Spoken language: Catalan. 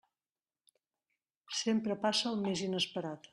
Sempre passa el més inesperat.